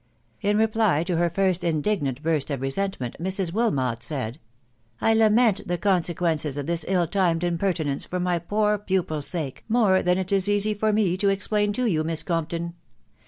In reply to her first indignant burst of resentment, Mrs. Wilmot said, —" I lament the consequences of this ill timed impertinence, for my poor pupil's sake, more than it is easy for me to ex plain to you, Miss Oompton.